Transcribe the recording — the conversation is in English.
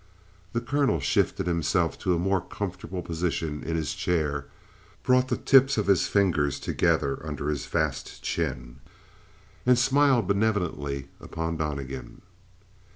The colonel shifted himself to a more comfortable position in his chair, brought the tips of his fingers together under his vast chin, and smiled benevolently upon Donnegan.